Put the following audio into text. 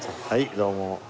どうも。